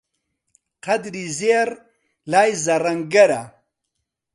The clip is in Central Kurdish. قەدری زێڕ لای زەڕەنگەرە